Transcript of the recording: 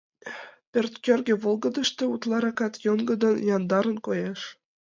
Пӧрткӧргӧ волгыдышто утларакат йоҥгыдын, яндарын коеш.